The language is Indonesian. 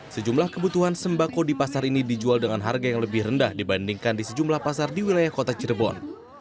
sejumlah kebutuhan sembako di pasar ini dijual dengan harga yang lebih rendah dibandingkan di sejumlah pasar di wilayah kota cirebon